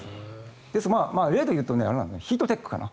例でいうとヒートテックかな。